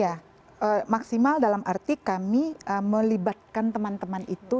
ya maksimal dalam arti kami melibatkan teman teman itu